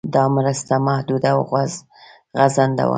دا مرسته محدوده او غړنده وه.